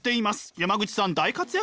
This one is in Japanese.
山口さん大活躍！